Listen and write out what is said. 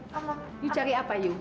kamu cari apa yuk